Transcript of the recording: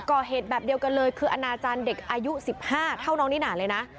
ก่อเหตุแบบเดียวกันเลยคืออนาจารย์เด็กอายุ๑๕เท่าน้องนิน่าเลยนะ